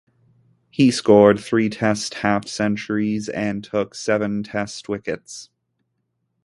He scored three Test half-centuries, and took seven Test wickets.